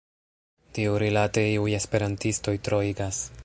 Tiurilate iuj esperantistoj troigas.